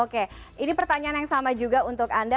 oke ini pertanyaan yang sama juga untuk anda